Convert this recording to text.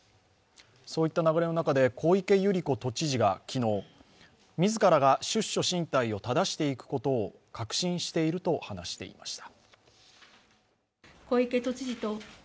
そういった流れの中で小池百合子都知事が昨日、自らが出処進退をただしていくことを確信していると話していました。